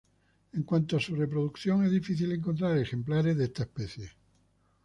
En cuanto a su reproducción es difícil encontrar ejemplares de esta especie.